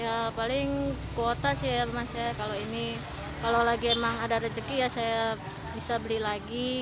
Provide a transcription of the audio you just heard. ya paling kuota sih ya mas ya kalau ini kalau lagi emang ada rezeki ya saya bisa beli lagi